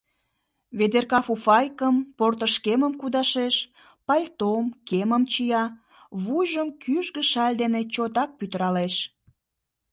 Ведерка фуфайкым, портышкемым кудашеш, пальтом, кемым чия, вуйжым кӱжгӧ шаль дене чотак пӱтыралеш.